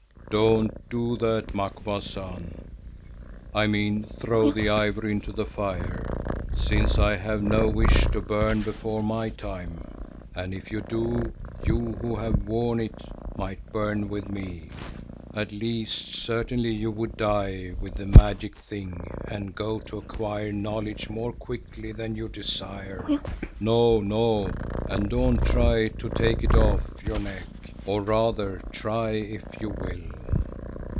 "Don't do that, Macumazahn—I mean throw the ivory into the fire—since I have no wish to burn before my time, and if you do, you who have worn it might burn with me. At least certainly you would die with the magic thing and go to acquire knowledge more quickly than you desire. No, no, and do not try to take it off your neck, or rather try if you will."